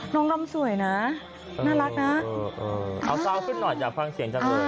รำสวยนะน่ารักนะเอาเศร้าขึ้นหน่อยอยากฟังเสียงจังเลย